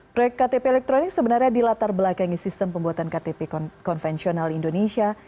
proyek ktp elektronik sebenarnya dilatar belakangi sistem pembuatan ktp konvensional indonesia